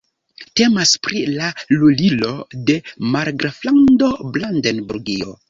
Temas pri la lulilo de Margraflando Brandenburgio.